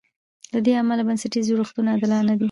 له دې امله بنسټیز جوړښتونه عادلانه دي.